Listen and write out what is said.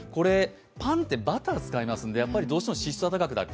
パンってバターを使いますのでどうしても脂質は高くなる。